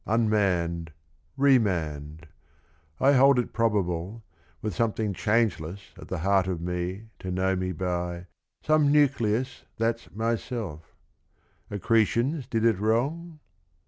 Unmanned, remanned : I hold it probable — With something changeless at the heart of me To know me by, some nucleus that 's myself: Accretions did it wrong?